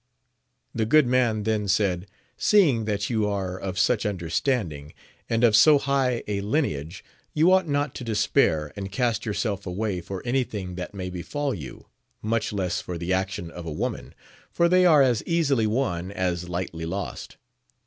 The good man then said, seeing that you are of such understanding, and of so high a lineage, you ought not to despair and cast yourself away for any thing that may befal you, much less for the action of a woman, for they are as easily won as lightly lost.